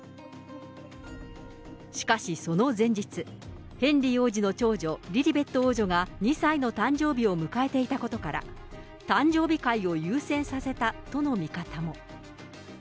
しかしその前日、ヘンリー王子の長女、リリベット王女が２歳の誕生日を迎えていたことから、誕生日会を優先させたとの見方も。